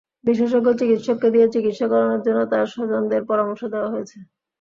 বিশেষজ্ঞ চিকিৎসককে দিয়ে চিকিৎসা করানোর জন্য তাঁর স্বজনদের পরামর্শ দেওয়া হয়েছে।